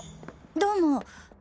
どうも。